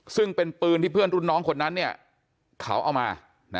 ซึ่งเป็นปืนที่เพื่อนรุ่นน้องคนนั้นเขาเอามา